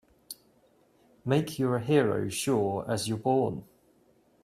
Make you're a hero sure as you're born!